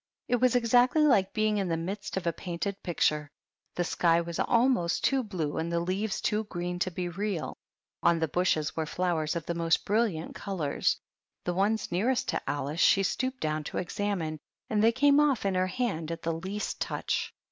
It was exactly like being in the midst of a painted picture; the sky was almost too blue and the leaves too green to be real. On the bushes were flowers of the most brilliant colors; the ones nearest to Alice she stooped down to examine, and they came off* in her hand at the least touch.